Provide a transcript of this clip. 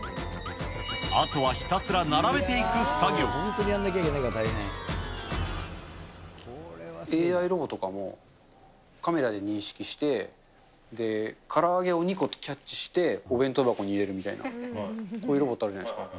あとはひたすら並べていく作ＡＩロボとかも、カメラで認識して、で、から揚げを２個キャッチして、お弁当箱に入れるみたいな、こういうロボットあるじゃないですか。